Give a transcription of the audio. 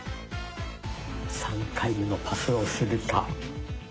３回目のパスをするか。